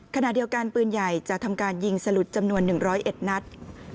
ขณะเดียวกันปืนใหญ่จะทำการยิงสลุดจำนวน๑๐๑นัด